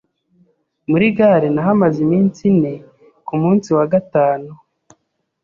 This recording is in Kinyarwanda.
Muri Gare nahamaze iminsi ine ku munsi wa gatanu,